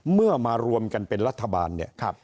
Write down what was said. มารวมกันเป็นรัฐบาลเนี่ย